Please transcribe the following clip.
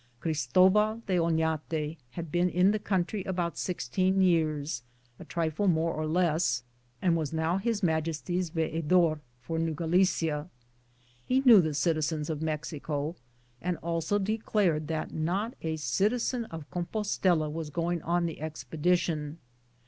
Cristobal de Ofiate had been in the coun try about sixteen years, a trifle more or less,, and was now His Majesty's veedor for New Galicia. He knew the citizens of Mexico, and also declared that not a citizen of Com postela was going on the expedition.